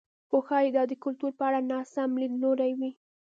خو ښايي دا د کلتور په اړه ناسم لیدلوری وي.